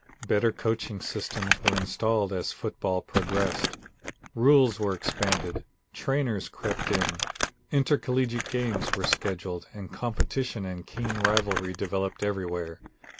Better coaching systems were installed as football progressed. Rules were expanded, trainers crept in, intercollegiate games were scheduled and competition and keen rivalry developed everywhere.